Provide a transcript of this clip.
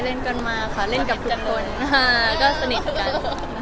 แล้วก็สนิทกัน